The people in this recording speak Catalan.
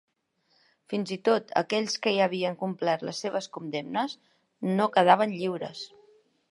Fins i tot aquells que ja havien complert les seves condemnes no quedaven lliures.